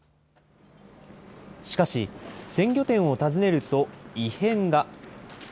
しかし、鮮魚店を訪ねると異変が。